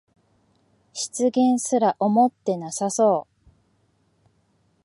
失言とすら思ってなさそう